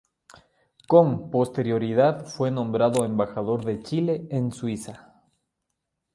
Con posterioridad fue nombrado Embajador de Chile en Suiza.